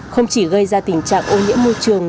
không chỉ gây ra tình trạng ô nhiễm môi trường